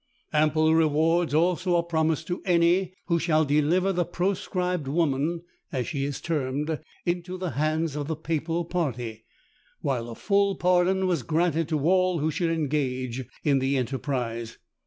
Ample rewards also are promised to any who shall deliver the proscribed woman, as she is termed, into the hands of the papal party; while a full pardon was granted to all who should engage in the enterprise.